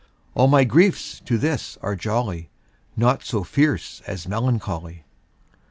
All my griefs to this are jolly, Naught so fierce as melancholy.